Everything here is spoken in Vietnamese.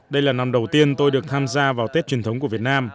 đây là năm đầu tiên tôi được tham gia vào tết truyền thống của việt nam